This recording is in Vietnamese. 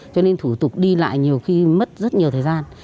cho nên thủ tục đi lại nhiều khi mất rất nhiều thời gian